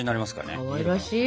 かわいらしい。